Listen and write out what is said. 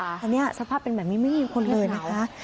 อันนี้สภาพเป็นแบบนี้ไม่มีคนเลยนะคะ